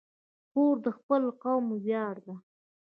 خور د خپل قوم ویاړ ده.